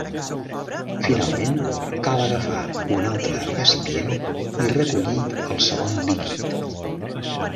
Finalment, cal agafar un altre recipient i recollir el segon líquid.